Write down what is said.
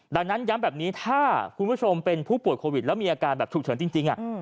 ดังนั้นย้ำแบบนี้ถ้าคุณผู้ชมเป็นผู้ป่วยโควิดแล้วมีอาการแบบฉุกเฉินจริง